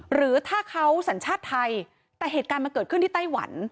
หรือถ้าเขาสัญชาติไทยแต่เหตุการณ์มันเกิดขึ้นที่ไต้หวัน